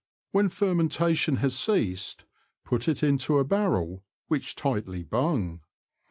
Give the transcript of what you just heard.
When fermentation has ceased, put it into a barrel, which tightly bung.